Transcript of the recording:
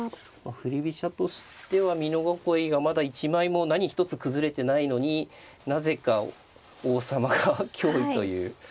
振り飛車としては美濃囲いがまだ一枚も何一つ崩れてないのになぜか王様が脅威という。